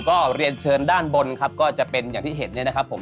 ก็เรียนเชิญด้านบนครับก็จะเป็นอย่างที่เห็นเนี่ยนะครับผม